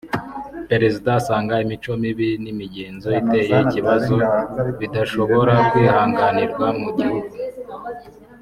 Perezida asanga imico mibi n’imigenzo iteye ikibazo bidashobora kwihanganirwa mu gihugu